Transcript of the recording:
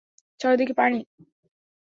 চারদিকে পানি।